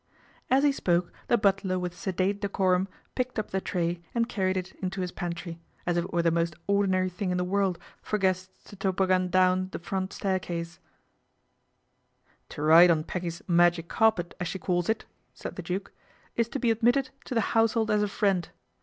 As he spoke the butler with sedate decorui picked up the tray and carried it into his pantr as if it were the most ordinary thing in the worl for guests to toboggan down the front staircase " To ride on Peggy's ' magic carpet,' as she cal it," said the Duke, "is to be admitted to tl household as a friend.